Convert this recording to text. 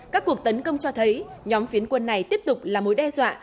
các cuộc tấn công cho thấy nhóm phiến quân này tiếp tục là mối đe dọa